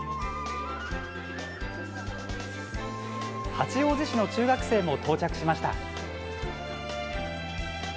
八王子市の中学生も到着しました。